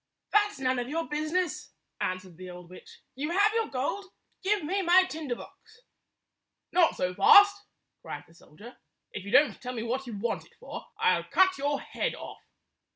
165 "That 's none of your business," answered the old witch. "You have your gold; give me my tinder box." "Not so fast!" cried the soldier. "If you don't tell me what you want it for, I 'll cut your head off."